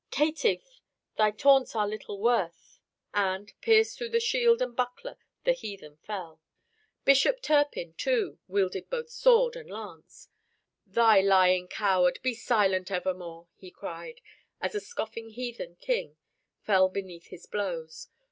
"Caitiff, thy taunts are little worth," he cried, and, pierced through shield and buckler, the heathen fell. Bishop Turpin, too, wielded both sword and lance. "Thou lying coward, be silent evermore!" he cried, as a scoffing heathen king fell beneath his blows.